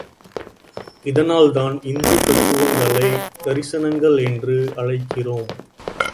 இதனால்தான் இந்து தத்துவங்களைத் தரிசனங்கள் என்று அழைக்கிறோம்.